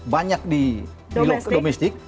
banyak di domestik